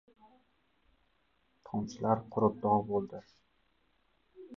Tomchilar qurib dog‘ bo‘ldi.